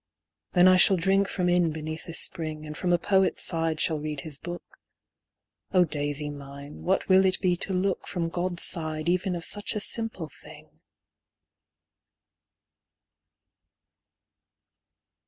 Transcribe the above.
Then I shall drink from in beneath a spring, And from a poet's side shall read his book. O daisy mine, what will it be to look From God's side even of such a simple thing